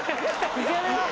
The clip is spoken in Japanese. いけるよ！